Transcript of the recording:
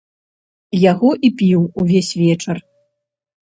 Яго і піў увесь вечар.